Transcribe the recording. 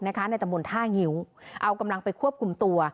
ในตำรวจท่างิว